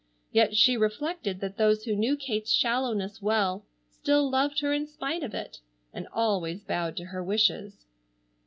Yet she reflected that those who knew Kate's shallowness well, still loved her in spite of it, and always bowed to her wishes.